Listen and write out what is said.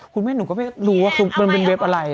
คุณแม่หนูก็ไม่รู้ว่าคือมันเป็นเว็บอะไร